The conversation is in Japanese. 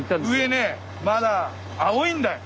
上ねまだ青いんだ。